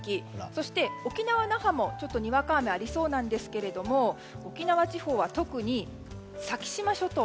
そして、沖縄・那覇もにわか雨ありそうなんですけど沖縄地方は、特に先島諸島